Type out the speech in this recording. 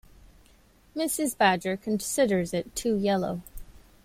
Mrs. Badger considers it too yellow.